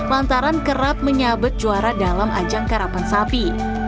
lantaran kerap menyabet juara dalam ajang karapan sapi